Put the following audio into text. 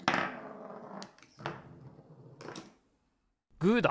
グーだ！